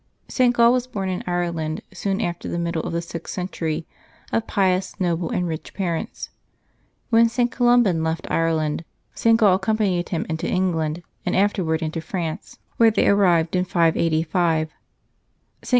[t. Gall was born in Ireland soon after the middle of _ the sixth century, of pious, noble, and rich parents. When St. Columban left Ireland, St. Gall accompanied him into England, and afterward into France, where they 338 LIVES OF TEE SAINTS [Octobee 17 arrived in 585. vSt.